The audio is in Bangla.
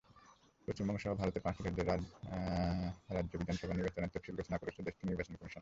পশ্চিমবঙ্গসহ ভারতের পাঁচটি রাজ্যের রাজ্য বিধানসভা নির্বাচনের তফসিল ঘোষণা করেছে দেশটির নির্বাচন কমিশন।